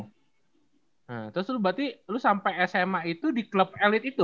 nah terus lu berarti lu sampai sma itu di klub elit itu